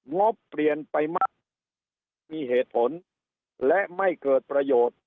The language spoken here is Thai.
งบเปลี่ยนไปมากมีเหตุผลและไม่เกิดประโยชน์